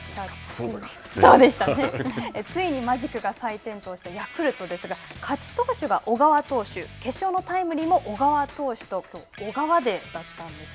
ついにマジックが再点灯したヤクルトですが、勝ち投手が小川投手、決勝のタイムリーも小川投手と、きょう小川デーだったんです。